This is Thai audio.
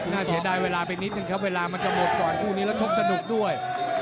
เสียดายเวลาไปนิดนึงครับเวลามันจะหมดก่อนคู่นี้แล้วชกสนุกด้วย